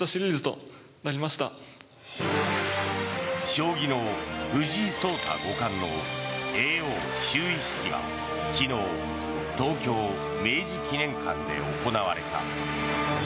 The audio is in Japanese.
将棋の藤井聡太五冠の叡王就位式が昨日東京・明治記念館で行われた。